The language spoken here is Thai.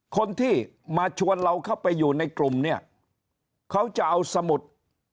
คนที่มาชวนเราเข้าไปอยู่ในกลุ่มเนี่ยเขาจะเอาสมุด